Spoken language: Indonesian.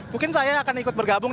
mungkin saya akan ikut bergabung